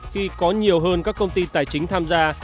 khi có nhiều hơn các công ty tài chính tham gia